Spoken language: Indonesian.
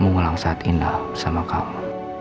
memulang saat indah sama kamu